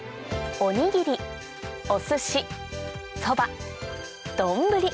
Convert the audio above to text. おにぎりお寿司そば丼